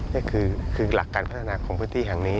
นี่คือหลักการพัฒนาของพื้นที่แห่งนี้